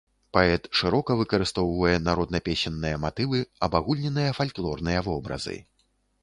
Паэт шырока выкарыстоўвае народна-песенныя матывы, абагульненыя фальклорныя вобразы.